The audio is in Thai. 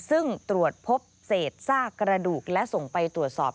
ซึ่งตรวจพบเศษซากกระดูกและส่งไปตรวจสอบ